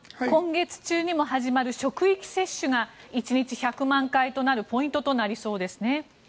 今月中にも始まる職域接種が１日１００万回となるポイントとなりそうですね。